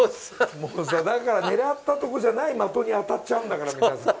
もうさだから狙ったとこじゃない的に当たっちゃうんだから水谷さん。